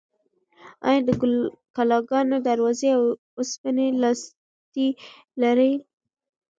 ایا د کلاګانو دروازې د اوسپنې لاستي لرل؟